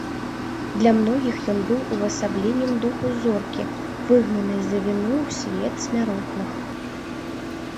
Для многіх ён быў увасабленнем духу зоркі, выгнанай за віну ў свет смяротных.